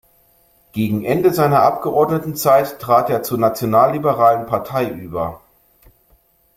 Gegen Ende seiner Abgeordnetenzeit trat er zur Nationalliberalen Partei über.